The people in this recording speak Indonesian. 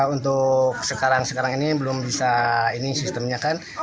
untuk sekarang sekarang ini belum bisa ini sistemnya kan